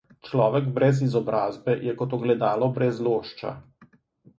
Človek brez izobrazbe je kot ogledalo brez lošča.